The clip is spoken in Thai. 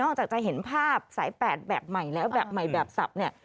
จากจะเห็นภาพสายแปดแบบใหม่แล้วแบบใหม่แบบสับเนี่ย